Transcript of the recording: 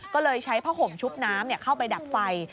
ก็เลยใช้ผ้าห่มชุบน้ำเข้าไปดับไฟ